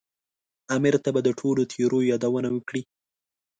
امیر ته به د ټولو تېریو یادونه وکړي.